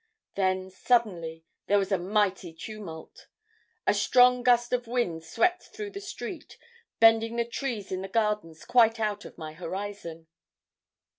"Then, suddenly, there was a mighty tumult. A strong gust of wind swept through the street, bending the trees in the gardens quite out of my horizon.